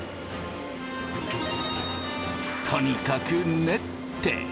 とにかく練って。